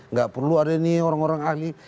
nggak perlu ada ini orang orang ahli